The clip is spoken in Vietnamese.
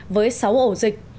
với sáu ổ dịch